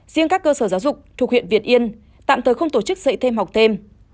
riêng các cơ sở giáo dục thuộc huyện việt yên tạm thời không tổ chức dạy thêm học thêm